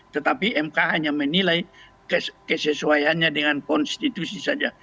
tetapi mk hanya menilai kesesuaiannya dengan konstitusi saja